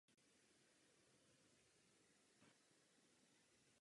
V tomto stavu jsou schopny překonat týdenní nedostatek potravy.